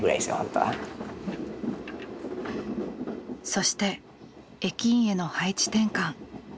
そして駅員への配置転換。